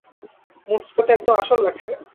মোঁচটা তো একদম আসল লাগছে।